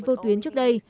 vô tuyến trước đây